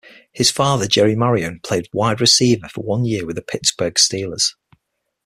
His father Jerry Marion played wide receiver for one year with the Pittsburgh Steelers.